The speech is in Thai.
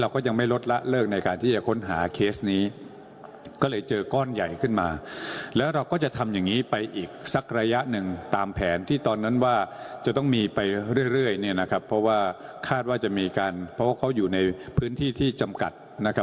คาดว่าจะมีการเพราะว่าเขาอยู่ในพื้นที่ที่จำกัดนะครับ